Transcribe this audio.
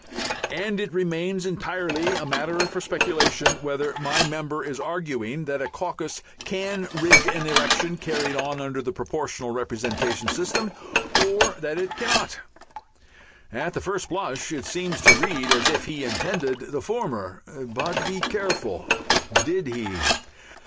And it remains entirely a matter for speculation whether my member is arguing that a caucus can rig an election carried on under the Proportional Representation system or that it cannot. At the first blush it seems to read as if he intended the former. But be careful! Did he?